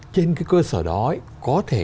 trên cái cơ sở đó có thể